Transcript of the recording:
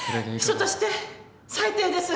秘書として最低です！